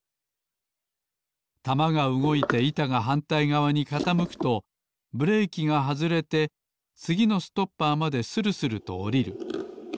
玉がうごいていたがはんたいがわにかたむくとブレーキがはずれてつぎのストッパーまでするするとおりる。